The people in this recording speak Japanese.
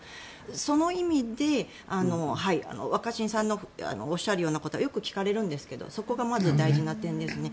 その意味で、若新さんのおっしゃるようなことはよく聞かれるんですがそこがまず、大事な点ですね。